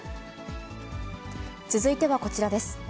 続いてはこちらです。